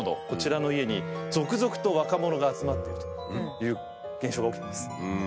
こちらの家に続々と若者が集まってるという現象が起きてます。